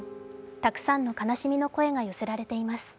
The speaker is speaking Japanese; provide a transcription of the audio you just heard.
たくさんの悲しみの声が寄せられています。